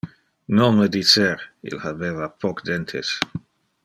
"Non me dicer! Ille habeva poc dentes.